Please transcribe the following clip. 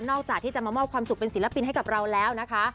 จากที่จะมามอบความสุขเป็นศิลปินให้กับเราแล้วนะคะ